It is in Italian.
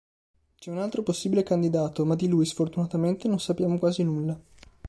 C'è un altro possibile candidato, ma di lui, sfortunatamente, non sappiamo quasi nulla.